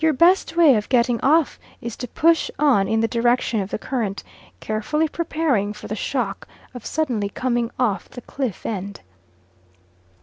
Your best way of getting off is to push on in the direction of the current, carefully preparing for the shock of suddenly coming off the cliff end.